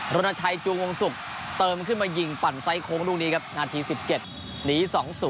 รณชัยจูงวงศุกร์เติมขึ้นมายิงปั่นไซสโค้งลูกนี้ครับนาที๑๗หนี๒๐